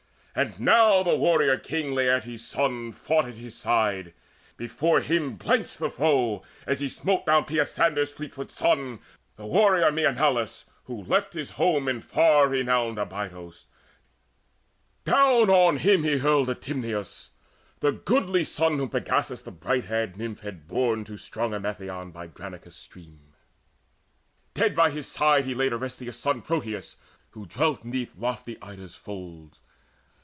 And now the warrior king Laertes' son Fought at his side: before him blenched the foe, As he smote down Peisander's fleetfoot son, The warrior Maenalus, who left his home In far renowned Abydos: down on him He hurled Atymnius, the goodly son Whom Pegasis the bright haired Nymph had borne To strong Emathion by Granicus' stream. Dead by his side he laid Orestius' son, Proteus, who dwelt 'neath lofty Ida's folds.